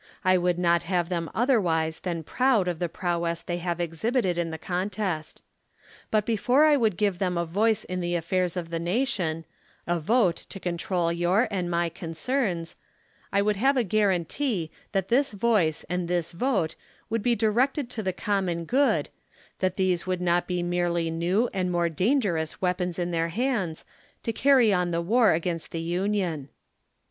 I would not have them otherwise than proud of the prowess they have exhibited in the contest. But before I would give them a voice in the affairs of the nation, a vote to control jonr and my concerns, I would have a guaranty that this voice and this vote would be directed to the common good, that these would not be merely new and more dangerous weapons in their hands, to carry on the war against the Union.